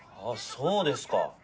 そうですか！